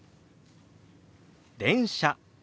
「電車」。